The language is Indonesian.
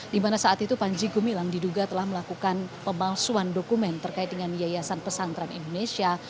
di mana saat itu panji gumilang diduga telah melakukan pemalsuan dokumen terkait dengan yayasan pesantren indonesia